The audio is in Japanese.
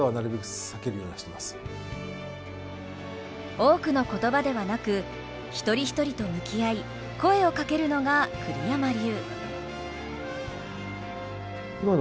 多くの言葉ではなくひとりひとりと向き合声をかけるのが栗山流。